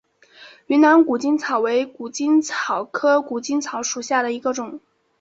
云南谷精草为谷精草科谷精草属下的一个种。